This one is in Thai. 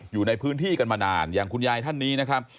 อยู่ในพื้นที่กันมานานอย่างคุณยายท่านนี้นะครับ